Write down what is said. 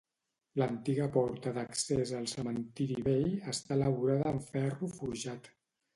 L'antiga porta d'accés al cementiri vell està elaborada amb ferro forjat.